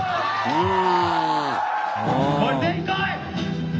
うん。